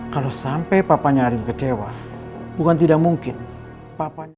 kalau sampai papanya arin kecewa bukan tidak mungkin papanya